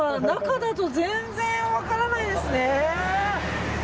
中だと全然分からないですね。